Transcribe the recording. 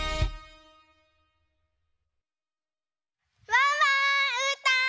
ワンワーンうーたん！